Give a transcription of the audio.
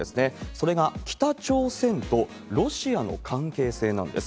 それが、北朝鮮とロシアの関係性なんです。